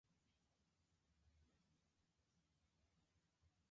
His adventures also form the subject of various ballads.